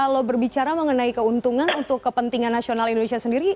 kalau berbicara mengenai keuntungan untuk kepentingan nasional indonesia sendiri